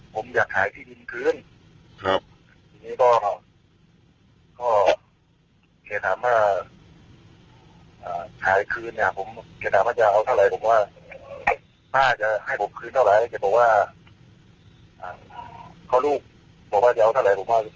ก็เกษตรภาพภาคภาคภายคืนเนี่ยผมเกษตรภาคภาคภายเยาว์เท่าไรผมว่า